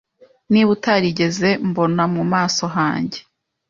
Niba utarigeze mbona mu maso hanjye…